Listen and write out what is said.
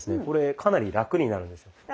これかなりラクになるんですよ。